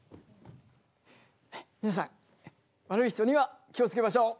皆さん悪い人には気を付けましょう。